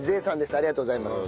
ありがとうございます。